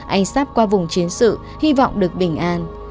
anh sắp qua vùng chiến sự hy vọng được bình an